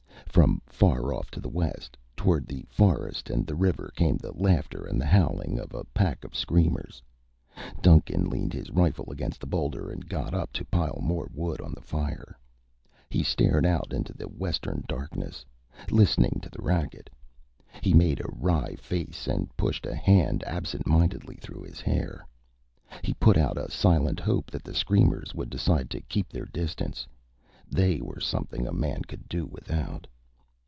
From far off to the west, toward the forest and the river, came the laughter and the howling of a pack of screamers. Duncan leaned his rifle against the boulder and got up to pile more wood on the fire. He stared out into the western darkness, listening to the racket. He made a wry face and pushed a hand absent mindedly through his hair. He put out a silent hope that the screamers would decide to keep their distance. They were something a man could do without.